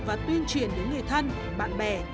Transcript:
và tuyên truyền đến người thân bạn bè